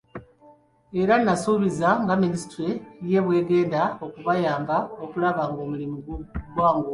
Era n'asuubiza nga minisitule ye bw'egenda okubayamba okulaba ng'omulimu gwanguwa.